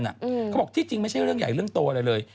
เขาบอกที่จริงไม่ใช่เรื่องใหญ่เรื่องโตอะไรเลย